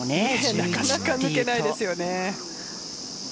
なかなか抜けないでしょうね。